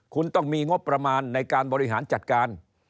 คุณต้องมีงบประมาณในการบริหารจัดการ